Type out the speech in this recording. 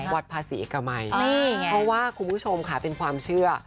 วัดภาษีเอกมัยนี่ไงเพราะว่าคุณผู้ชมค่ะเป็นความเชื่อ